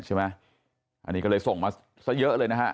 ใช่ไหมอันนี้ก็เลยส่งมาซะเยอะเลยนะฮะ